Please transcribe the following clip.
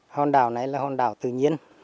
hòn đảo này là hòn đảo tự nhiên